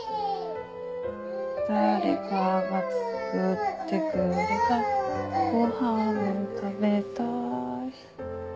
「誰かが作ってくれたご飯を食べたい」